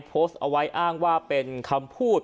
โพสต์เอาไว้อ้างว่าเป็นคำพูด